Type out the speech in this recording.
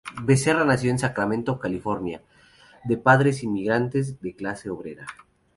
Becerra nació en Sacramento, California de padres inmigrantes de clase obrera.